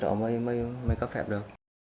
rồi mới cấp phép được